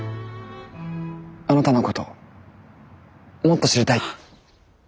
あなたのこともっと知りたい。